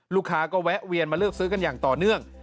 ลูกค้าก็แวะเวียนมาเลือกซื้อกันอย่างต่อเนื่อง